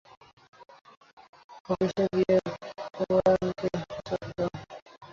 অফিসে গিয়ে কুমারানকে চাপ দাও।